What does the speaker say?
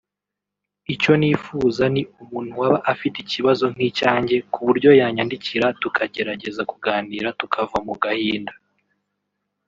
Icyo nifuza ni umuntu waba afite ikibazo nk'icyanjye ku buryo yanyandikira tukagerageza kuganira tukava mu gahinda